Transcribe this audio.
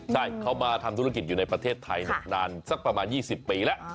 ใช่เขามาทำธุรกิจอยู่ในประเทศไทยนานสักประมาณ๒๐ปีแล้ว